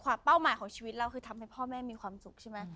เป้าหมายของชีวิตเราคือทำให้พ่อแม่มีความสุขใช่ไหม